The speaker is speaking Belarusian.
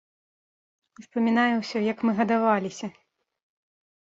Успамінае ўсё, як мы гадаваліся.